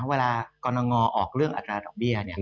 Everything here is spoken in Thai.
เวลากรณงออกเรื่องอัตราดอกเบี้ย